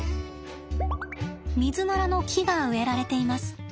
ミズナラの木が植えられています。